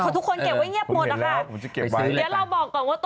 ทุกคนเก็บไว้เงียบหมดนะคะ